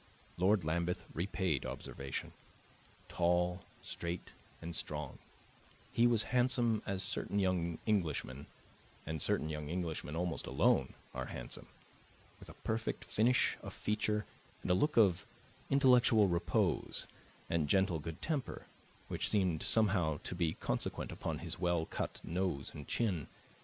Lord Lambeth repaid observation; tall, straight, and strong, he was handsome as certain young Englishmen, and certain young Englishmen almost alone, are handsome; with a perfect finish of feature and a look of intellectual repose and gentle good temper which seemed somehow to be consequent upon his well cut nose and chin.